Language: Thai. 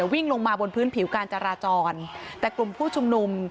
วิ่งลงมาบนพื้นผิวการจราจรแต่กลุ่มผู้ชุมนุม